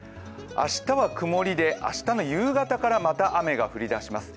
明日は曇りで明日の夕方からまた雨が降りだします。